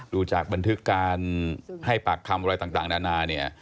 ดูจากบันทึกการให้ปากคำอะไรต่างนานาเนี่ย